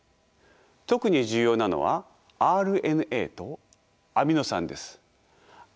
特に重要なのはＲＮＡとアミノ酸です。